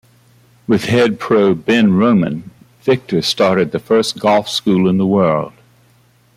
With head pro Ben Roman Victor started the first golf school in the world.